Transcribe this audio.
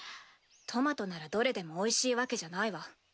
トマトならどれでもおいしいわけじゃないわ。